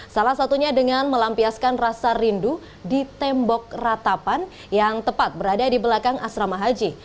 salah satunya dengan melampiaskan rasa rindu di tembok ratapan yang tepat berada di belakang asrama haji